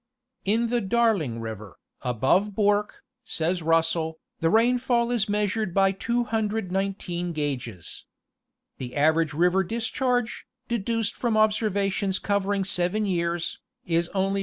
In the Darling river, above Bourke, says Russell, the rainfall is measured by 219 gauges. The average river discharge, deduced from observations covering seven years, is only 1.